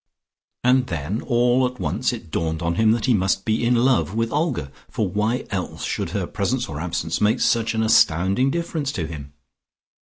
And then all at once it dawned on him that he must be in love with Olga, for why else should her presence or absence make such an astounding difference to him?